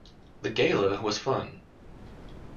The Gala was fun.